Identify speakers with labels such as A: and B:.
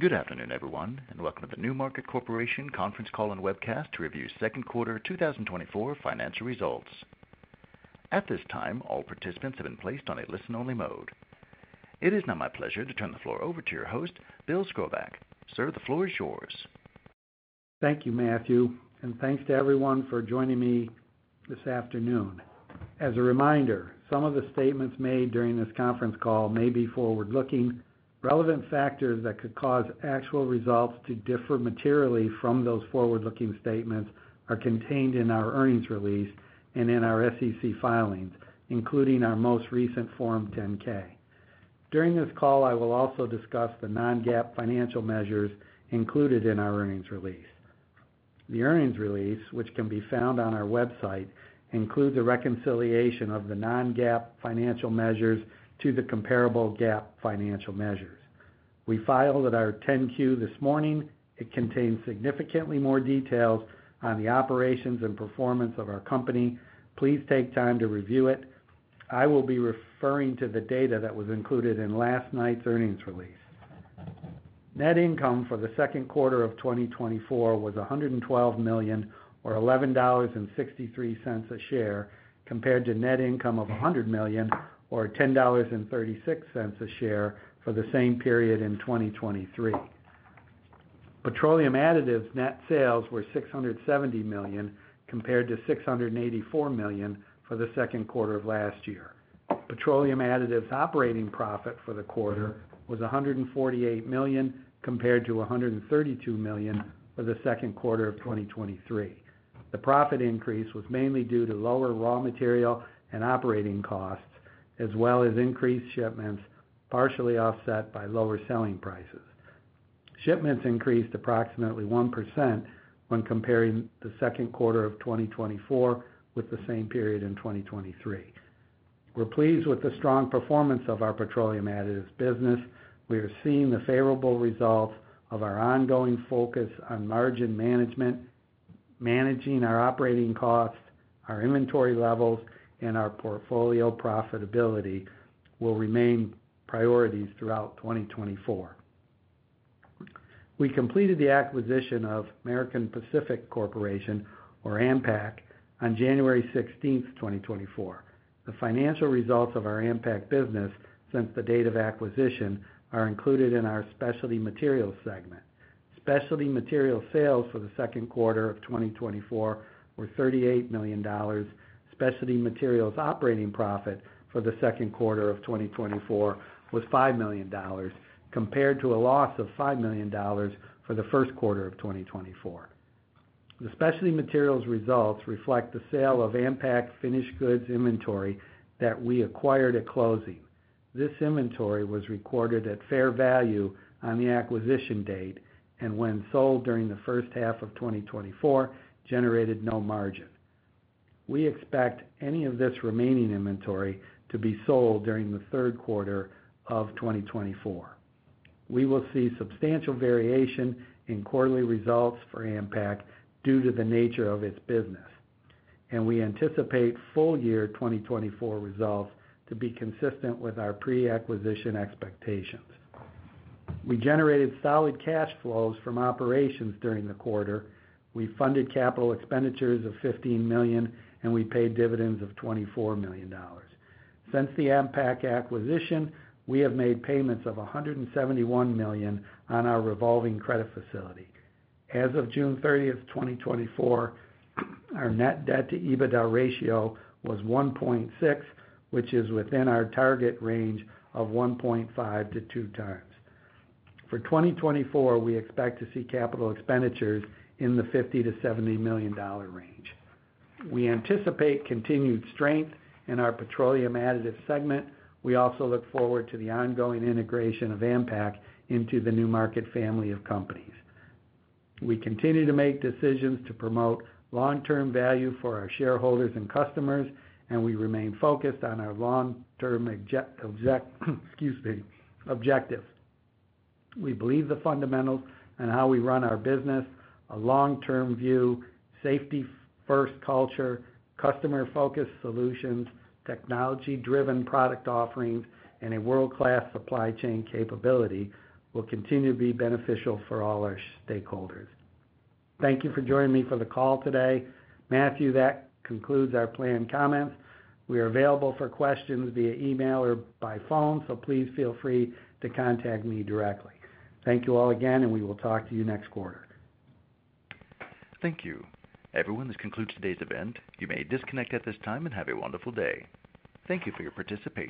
A: Good afternoon, everyone, and welcome to the NewMarket Corporation conference call and webcast to review second quarter 2024 financial results. At this time, all participants have been placed on a listen-only mode. It is now my pleasure to turn the floor over to your host, Bill Skrobacz. Sir, the floor is yours.
B: Thank you, Matthew, and thanks to everyone for joining me this afternoon. As a reminder, some of the statements made during this conference call may be forward-looking. Relevant factors that could cause actual results to differ materially from those forward-looking statements are contained in our earnings release and in our SEC filings, including our most recent Form 10-K. During this call, I will also discuss the non-GAAP financial measures included in our earnings release. The earnings release, which can be found on our website, includes a reconciliation of the non-GAAP financial measures to the comparable GAAP financial measures. We filed our 10-Q this morning. It contains significantly more details on the operations and performance of our company. Please take time to review it. I will be referring to the data that was included in last night's earnings release. Net income for the second quarter of 2024 was $112 million, or $11.63 per share, compared to net income of $100 million or $10.36 per share for the same period in 2023. Petroleum additives net sales were $670 million, compared to $684 million for the second quarter of last year. Petroleum additives operating profit for the quarter was $148 million, compared to $132 million for the second quarter of 2023. The profit increase was mainly due to lower raw material and operating costs, as well as increased shipments, partially offset by lower selling prices. Shipments increased approximately 1% when comparing the second quarter of 2024 with the same period in 2023. We're pleased with the strong performance of our petroleum additives business. We are seeing the favorable results of our ongoing focus on margin management, managing our operating costs, our inventory levels, and our portfolio profitability will remain priorities throughout 2024. We completed the acquisition of American Pacific Corporation, or AMPAC, on January 16, 2024. The financial results of our AMPAC business since the date of acquisition are included in our specialty materials segment. Specialty materials sales for the second quarter of 2024 were $38 million. Specialty materials operating profit for the second quarter of 2024 was $5 million, compared to a loss of $5 million for the first quarter of 2024. The specialty materials results reflect the sale of AMPAC's finished goods inventory that we acquired at closing. This inventory was recorded at fair value on the acquisition date, and when sold during the first half of 2024, generated no margin. We expect any of this remaining inventory to be sold during the third quarter of 2024. We will see substantial variation in quarterly results for AMPAC due to the nature of its business, and we anticipate full year 2024 results to be consistent with our pre-acquisition expectations. We generated solid cash flows from operations during the quarter. We funded capital expenditures of $15 million, and we paid dividends of $24 million. Since the AMPAC acquisition, we have made payments of $171 million on our revolving credit facility. As of June 30, 2024, our net debt to EBITDA ratio was 1.6, which is within our target range of 1.5 to 2 times. For 2024, we expect to see capital expenditures in the $50-$70 million range. We anticipate continued strength in our petroleum additive segment. We also look forward to the ongoing integration of AMPAC into the NewMarket family of companies. We continue to make decisions to promote long-term value for our shareholders and customers, and we remain focused on our long-term object, excuse me, objectives. We believe the fundamentals and how we run our business, a long-term view, safety-first culture, customer-focused solutions, technology-driven product offerings, and a world-class supply chain capability will continue to be beneficial for all our stakeholders. Thank you for joining me for the call today. Matthew, that concludes our planned comments. We are available for questions via email or by phone, so please feel free to contact me directly. Thank you all again, and we will talk to you next quarter.
A: Thank you. Everyone, this concludes today's event. You may disconnect at this time and have a wonderful day. Thank you for your participation.